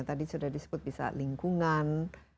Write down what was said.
tadi sudah disebut bisa lingkungan